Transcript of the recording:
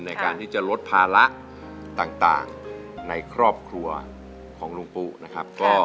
ในการที่จะลดภาระต่างในครอบครัวของลุงปุ๊นะครับ